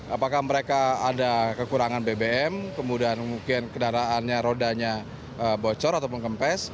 apakah mereka ada kekurangan bbm kemudian mungkin kendaraannya rodanya bocor ataupun kempes